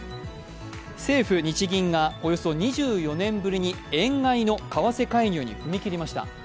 政府・日銀がおよそ２４年ぶりに円買いの為替介入に踏み切りました。